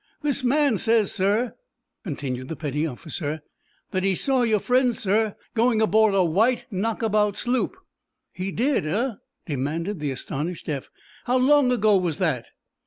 "This man says, sir," continued the petty officer, "that he saw your friends, sir, going aboard a white knockabout sloop." "He did, eh?" demanded the astonished Eph. "How long ago was that?"